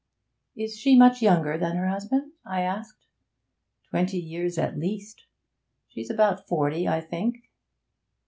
'Is she much younger than her husband?' I asked. 'Twenty years at least. She's about forty, I think.'